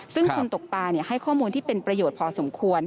ซึ่งคนตกปลาให้ข้อมูลที่เป็นประโยชน์พอสมควร